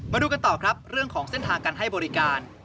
มาดูกันต่อครับเรื่องของเส้นทางการให้บริการ